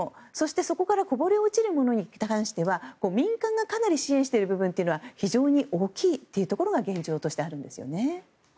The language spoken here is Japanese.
そこからこぼれ落ちるものに関しては民間がかなり支援してる部分は非常に大きいところは現状としてあるんですね。